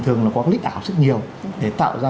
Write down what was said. thường là có clip ảo rất nhiều để tạo ra